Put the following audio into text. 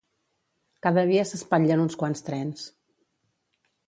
Cada dia s'espatllen uns quants trens